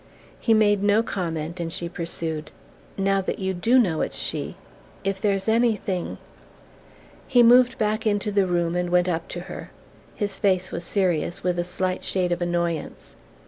He made no comment, and she pursued: "Now that you DO know it's she, if there's anything " He moved back into the room and went up to her. His face was serious, with a slight shade of annoyance.